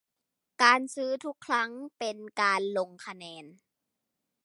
การซื้อทุกครั้งเป็นการลงคะแนน